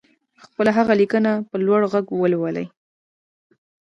خپله هغه ليکنه په لوړ غږ ولولئ.